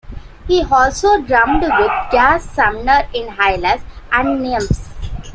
He has also drummed with Gaz Sumner in Hylas and the Nymphs.